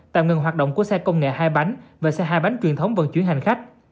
tạm ngừng hoạt động của xe công nghệ hai bánh và xe hai bánh truyền thống vận chuyển hành khách